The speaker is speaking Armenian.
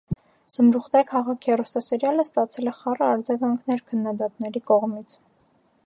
«Զմրուխտե քաղաք» հեռուստասերիալը ստացել է խառը արձագանքներ քննադատների կողմից։